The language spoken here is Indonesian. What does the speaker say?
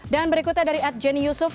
dan berikutnya dari at jenny yusuf